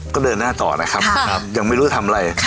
ก็เดินหน้าต่อนะครับยังไม่รู้จะทำอะไร